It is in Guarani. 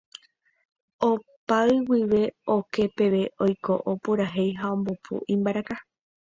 opay guive oke peve oiko opurahéi ha ombopu imbaraka